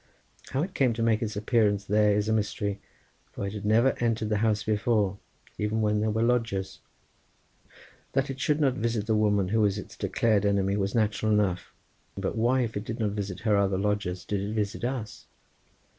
How it came to make its appearance there is a mystery, for it had never entered the house before, even when there were lodgers; that it should not visit the woman, who was its declared enemy, was natural enough, but why if it did not visit her other lodgers, did it visit us?